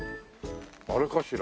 あれかしら。